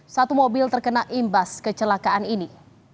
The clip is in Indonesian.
satu mobil terkena imbas kecelakaan ini